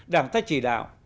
đảng tác chỉ đạo